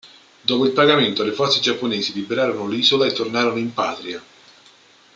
Dopo il pagamento le forze giapponesi liberarono l'isola e tornarono in patria.